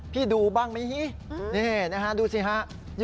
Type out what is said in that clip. พี่ดูบ้างมั้ยนี่นะครับดูสิครับ